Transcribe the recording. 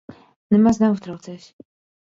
Nemaz neuztraucies.